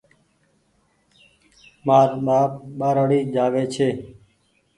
مآر ٻآپ ٻآرآڙي جآوي ڇي